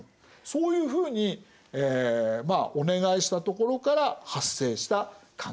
そういうふうにお願いしたところから発生した関係なんです。